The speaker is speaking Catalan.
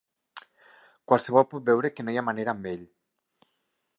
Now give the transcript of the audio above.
Qualsevol pot veure que no hi ha manera amb ell.